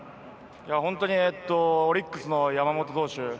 本当にオリックスの山本投手